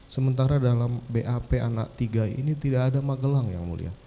sementara dalam bap anak tiga ini tidak ada magelang yang mulia